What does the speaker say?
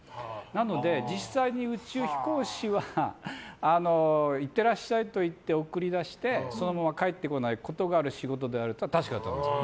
なので実際に宇宙飛行士は行ってらっしゃいと言って送り出してそのまま帰ってこないことがある仕事であることは確かだと思います。